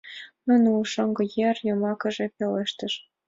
— Ну, ну, — шоҥго нер йымакыже пелештыш.